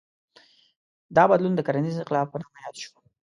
دا بدلون د کرنیز انقلاب په نامه یاد شو.